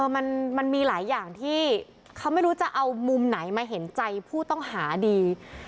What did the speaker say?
มันมีหลายอย่างที่เขาไม่รู้จะเอามุมไหนมาเห็นใจผู้ต้องหาดี